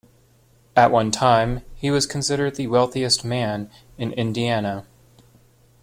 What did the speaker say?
At one time, he was considered the wealthiest man in Indiana.